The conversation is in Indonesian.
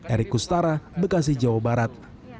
erik kustara bekasi jawa barat